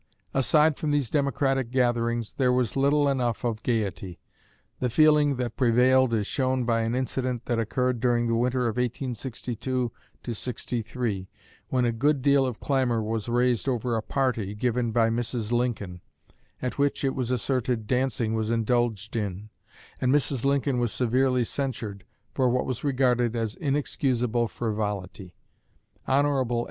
Aside from these democratic gatherings there was little enough of gaiety. The feeling that prevailed is shown by an incident that occurred during the winter of 1862 3, when a good deal of clamor was raised over a party given by Mrs. Lincoln, at which, it was asserted, dancing was indulged in; and Mrs. Lincoln was severely censured for what was regarded as inexcusable frivolity. Hon.